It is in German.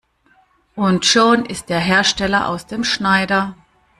Und schon ist der Hersteller aus dem Schneider.